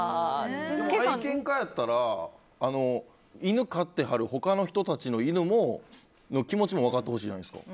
愛犬家やったら、犬飼ってはる他の人たちの他の犬の気持ちも分かってほしいじゃないですか。